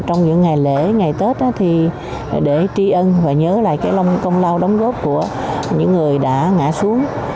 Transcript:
trong những ngày lễ ngày tết để tri ân và nhớ lại công lao đóng góp của những người đã ngã xuống